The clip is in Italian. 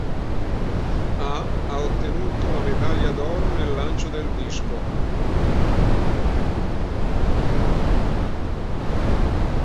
A ha ottenuto la medaglia d'oro nel lancio del disco.